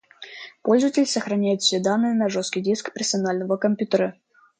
Пользователь сохраняет все данные на жесткий диск персонального компьютера